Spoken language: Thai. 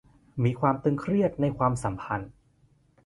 มีความตึงเครียดในความสัมพันธ์